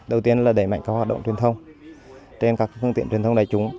đầu tiên là đẩy mạnh các hoạt động truyền thông trên các phương tiện truyền thông đại chúng